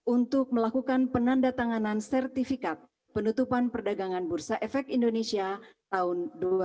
untuk melakukan penanda tanganan sertifikat penutupan perdagangan bursa efek indonesia tahun dua ribu dua puluh